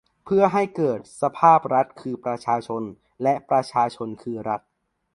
เพื่อให้เกิดสภาพรัฐคือประชาชน และ ประชาชนคือรัฐ